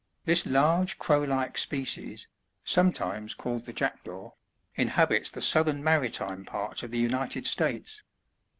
This large crow like species, sometimes called the Jack daw, inhabits the southern maritime parts of the United States.